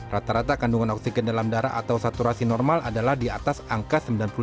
rata rata kandungan oksigen dalam darah atau saturasi normal adalah di atas angka sembilan puluh delapan